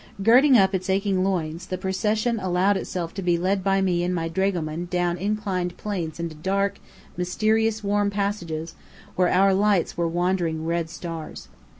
Girding up its aching loins, the procession allowed itself to be led by me and my dragoman down inclined planes into dark, mysteriously warm passages where our lights were wandering red stars.